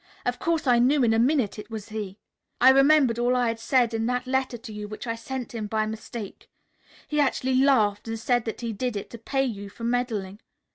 Of course I knew in a minute it was he. I remembered all I had said in that letter to you which I sent him by mistake. He actually laughed and said that he did it to pay you for meddling.